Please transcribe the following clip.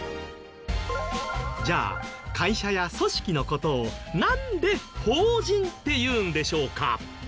じゃあ会社や組織の事をなんで法人っていうんでしょうか？